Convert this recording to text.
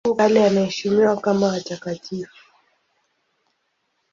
Tangu kale anaheshimiwa kama watakatifu.